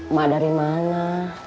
emak dari mana